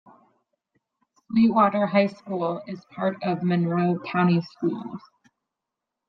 Sweetwater High School is part of Monroe County Schools.